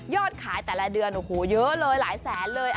ขายแต่ละเดือนโอ้โหเยอะเลยหลายแสนเลย